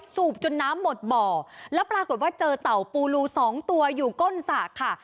สูบจนน้ำหมดบ่อแล้วปรากฏว่าเจอเต่าปูรูสองตัวอยู่ก้นสระค่ะ